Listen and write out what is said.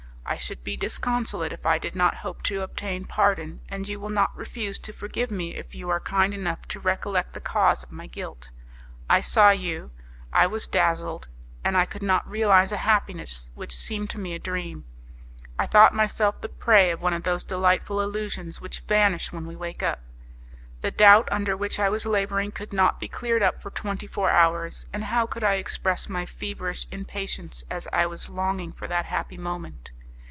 I should be disconsolate if I did not hope to obtain pardon, and you will not refuse to forgive me if you are kind enough to recollect the cause of my guilt. I saw you; I was dazzled, and I could not realize a happiness which seemed to me a dream; I thought myself the prey of one of those delightful illusions which vanish when we wake up. The doubt under which I was labouring could not be cleared up for twenty four hours, and how could I express my feverish impatience as I was longing for that happy moment!